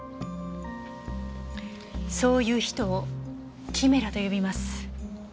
そういう人をキメラと呼びます。